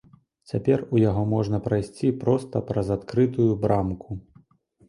Цяпер у яго можна прайсці проста праз адкрытую брамку.